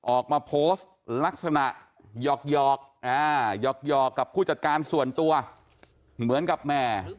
ออกมาโพสต์ลักษณะหยอกหยอกกับผู้จัดการส่วนตัวเหมือนกับแม่